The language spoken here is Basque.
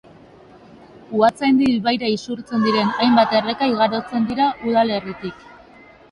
Uhaitzandi ibaira isurtzen diren hainbat erreka igarotzen dira udalerritik.